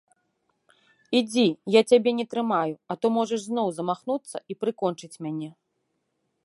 Ідзі, я цябе не трымаю, а то можаш зноў замахнуцца і прыкончыць мяне.